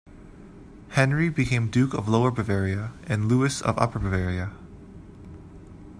Henry became Duke of Lower Bavaria, and Louis of Upper Bavaria.